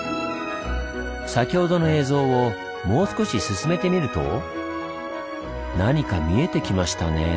先ほどの映像をもう少し進めてみると何か見えてきましたねぇ。